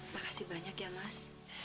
makasih banyak ya mas